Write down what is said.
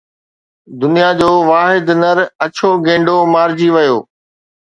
دنيا جو واحد نر اڇو گينڊو مارجي ويو